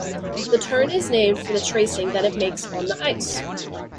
The turn is named for the tracing that it makes on the ice.